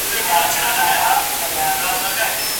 آیا هوا تر اوبو سپکه ده؟